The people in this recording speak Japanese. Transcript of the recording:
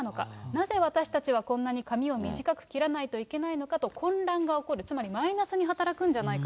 なぜ私たちは、こんなに髪を短く切らないといけないのかと混乱が起こる、つまりマイナスに働くんじゃないかと。